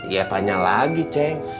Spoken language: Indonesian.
ya tanya lagi ceng